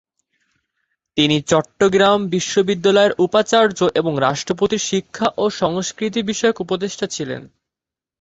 তিনি চট্টগ্রাম বিশ্ববিদ্যালয়ের উপাচার্য এবং রাষ্ট্রপতির শিক্ষা ও সংস্কৃতি বিষয়ক উপদেষ্টা ছিলেন।